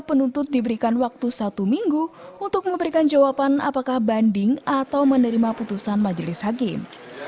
penuntut diberikan waktu satu minggu untuk memberikan jawaban apakah banding atau menerima putusan majelis hakim